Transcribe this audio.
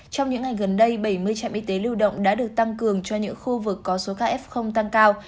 trong những ngày gần đây bảy mươi trạm y tế lưu động đã được tăng cường cho những khu vực có số ca f tăng cao